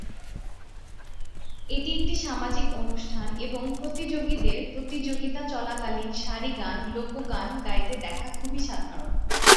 এটি একটি সামাজিক অনুষ্ঠান এবং প্রতিযোগীদের প্রতিযোগিতা চলাকালীন সারি গান, লোক গান গাইতে দেখা খুবই সাধারণ।